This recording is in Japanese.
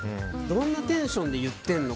どんなテンションで言ってんの？